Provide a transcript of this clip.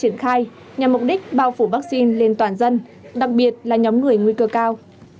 nhằm mục đích bao phủ vaccine lên toàn dân đặc biệt là nhóm người nguy cơ cao